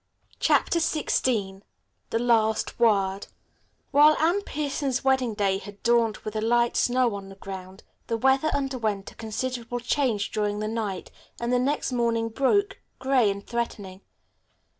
CHAPTER XVI THE LAST WORD While Anne Pierson's wedding day had dawned with a light snow on the ground, the weather underwent a considerable change during the night, and the next morning broke, gray and threatening.